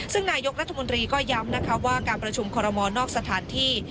ซึ่งนายกรรมนาฬิกรก็ย้ำว่าการประชุมคอลโลมอนอกสถานที่